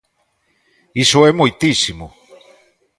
Iso é moitísimo.